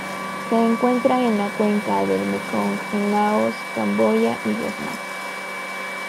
Se encuentra en la cuenca del Mekong en Laos, Camboya y Vietnam.